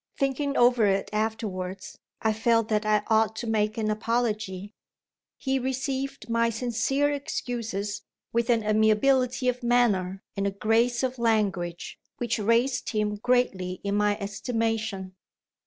Thinking over it afterwards, I felt that I ought to make an apology. He received my sincere excuses with an amiability of manner, and a grace of language, which raised him greatly in my estimation."